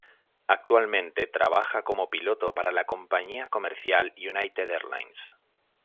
Actualmente trabaja como piloto para la compañía comercial "United Airlines".